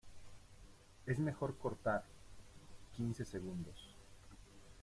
es mejor cortar. quince segundos .